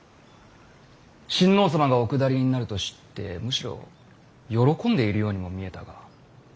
親王様がお下りになると知ってむしろ喜んでいるようにも見えたが。